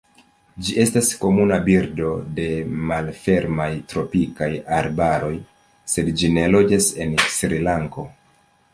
Ĝi estas komuna birdo de malfermaj tropikaj arbaroj, sed ĝi ne loĝas en Srilanko.